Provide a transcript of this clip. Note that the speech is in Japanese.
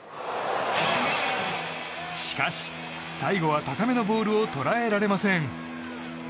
しかし、最後は高めのボールを捉えられません。